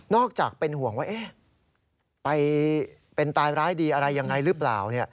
อกจากเป็นห่วงว่าไปเป็นตายร้ายดีอะไรยังไงหรือเปล่า